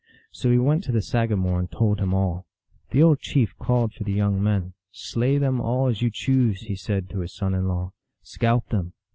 So he went to the sagamore and told him all. The old chief called for the young men. " Slay them all as you choose," he said to his son in law; " scalp them."